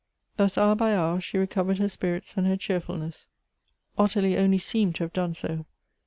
Thus hour by hour she recovered her spirits and her cheerfulness. Ottilie only seemed to have done so.